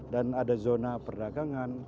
dan ada zona perdagangan